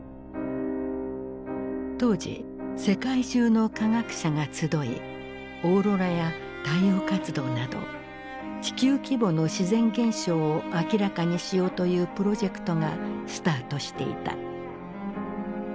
当時世界中の科学者が集いオーロラや太陽活動など地球規模の自然現象を明らかにしようというプロジェクトがスタートしていた。